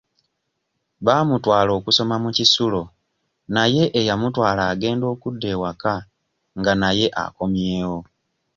Baamutwala okusoma mu kisulo naye eyamutwala agenda okudda ewaka nga naye akomyewo.